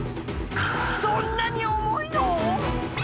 そんなに重いの！？